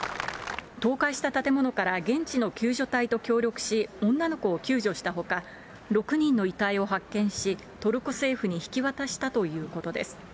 倒壊した建物から現地の救助隊と協力し、女の子を救助したほか、６人の遺体を発見し、トルコ政府に引き渡したということです。